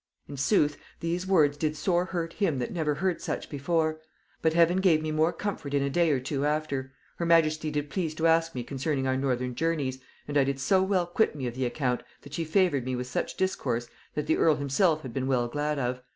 In sooth these words did sore hurt him that never heard such before; but Heaven gave me more comfort in a day or two after. Her majesty did please to ask me concerning our northern journeys, and I did so well quit me of the account, that she favoured me with such discourse that the earl himself had been well glad of.